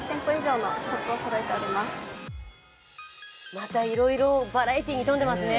また、いろいろバラエティーに富んでますね。